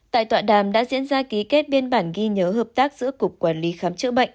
tại tọa đàm đã diễn ra ký kết biên bản ghi nhớ hợp tác giữa cục quản lý khám chữa bệnh